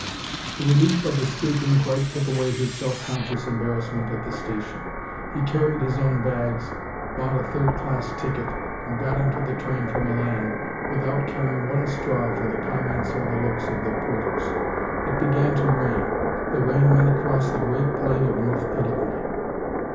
The relief of escaping quite took away his self conscious embarrassment at the station. He carried his own bags, bought a third class ticket, and got into the train for Milan without caring one straw for the comments or the looks of the porters. It began to rain. The rain ran across the great plain of north Italy.